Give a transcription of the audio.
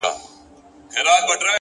هره لاسته راوړنه له کوچني پیل زېږي!.